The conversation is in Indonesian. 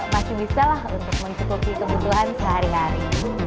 masih bisa lah untuk mencetak kopi kebutuhan sehari hari